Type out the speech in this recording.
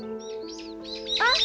あっ！